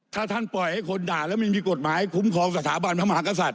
ถ้าท่านปล่อยให้คนด่าแล้วไม่มีกฎหมายคุ้มครองสถาบันพระมหากษัตริย